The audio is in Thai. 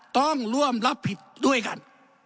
ต้องร่วมรับผิดด้วยกัน